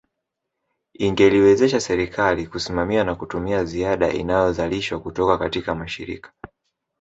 Ingeliwezesha serikali kusimamia na kutumia ziada inayozalishwa kutoka katika mashirika